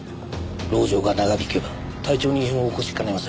籠城が長引けば体調に異変を起こしかねません。